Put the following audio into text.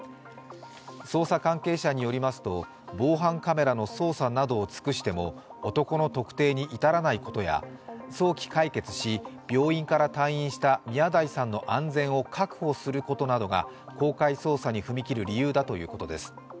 捜査関係者によりますと、防犯カメラの捜査などを尽くしても男の特定に至らないことや早期解決し、病院から退院した宮台さんの安全を確保することなどが公開捜査に踏み切る理由だということです。